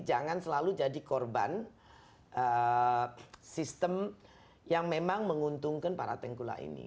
jangan selalu jadi korban sistem yang memang menguntungkan para tengkulak ini